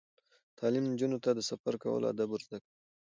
تعلیم نجونو ته د سفر کولو آداب ور زده کوي.